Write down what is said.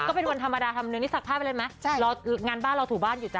นี่เป็นธรรมดานี่สักผ้าไปเลยไหมงานบ้านเราถูกบ้านอยู่จ้ะ